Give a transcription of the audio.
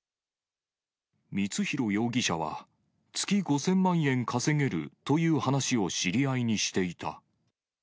光弘容疑者は、月５０００万円稼げるという話を知り合いにしていた。